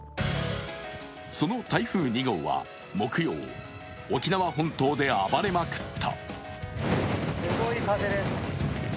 その台風２号は木曜、沖縄本島で暴れまくった。